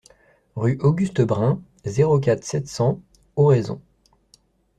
Rue Auguste Brun, zéro quatre, sept cents Oraison